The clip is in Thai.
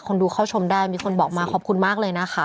ดูเข้าชมได้มีคนบอกมาขอบคุณมากเลยนะคะ